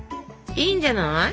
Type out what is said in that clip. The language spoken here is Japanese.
いいんじゃない？